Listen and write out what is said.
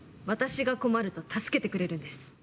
私が困ると助けてくれるんです。